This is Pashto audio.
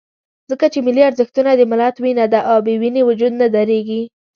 ځکه چې ملي ارزښتونه د ملت وینه ده، او بې وینې وجود نه درېږي.